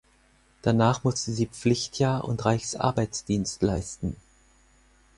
Danach musste sie Pflichtjahr und Reichsarbeitsdienst leisten.